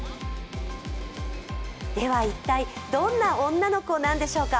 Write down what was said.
では、一体どんな女の子なんでしょうか。